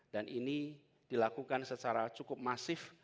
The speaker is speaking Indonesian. dan ini dilakukan secara cukup masif